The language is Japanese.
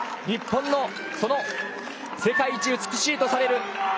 日本の世界一美しいとされる